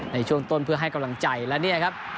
ในช่วงต้นเพื่อให้กำลังใจและเนี่ยครับ